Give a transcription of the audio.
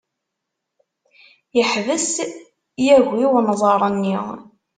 Yeḥbes yagi unẓar-nni.